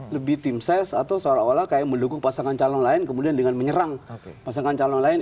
lebih tim ses atau seolah olah kayak mendukung pasangan calon lain kemudian dengan menyerang pasangan calon lain